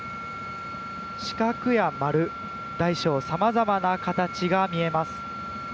四角や丸、大小さまざまな形が見えます。